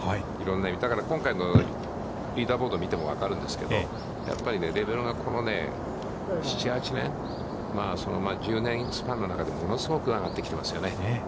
だから今回のリーダーボードを見てもわかるんですけど、やっぱりレベルが、この７８年、１０年スパンの中で物すごく上がってきてますよね。